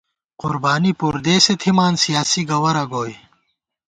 قربانی پُردېسے تھِمان سیاسی گوَرَہ گوئی